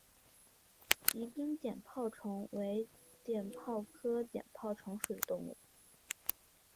宜宾碘泡虫为碘泡科碘泡虫属的动物。